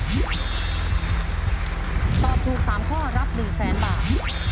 ตอบถูก๓ข้อรับ๑แสนบาท